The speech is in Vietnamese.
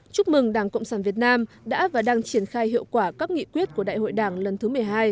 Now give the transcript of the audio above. chúc mừng đảng cộng sản việt nam đã và đang triển khai hiệu quả các nghị quyết của đại hội đảng lần thứ một mươi hai